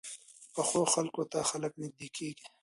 پخو خلکو ته خلک نږدې کېږي